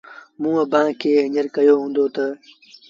موٚنٚ اڀآنٚ کي هڃر ڪهيو هُݩدو تا